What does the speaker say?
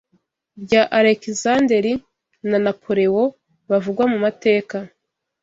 bya Alekizanderi na Napolewo bavugwa mu mateka,